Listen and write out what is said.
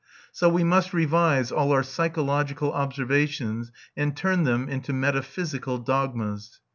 So we must revise all our psychological observations, and turn them into metaphysical dogmas.